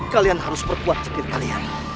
kalian harus berkuat sekir kalian